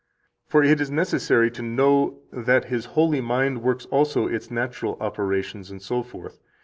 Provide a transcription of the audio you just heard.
For it is necessary to know that His holy mind works also its natural operations, etc.